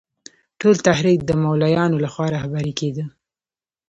ټول تحریک د مولویانو له خوا رهبري کېده.